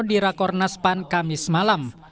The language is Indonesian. di rakornas pan kamis malam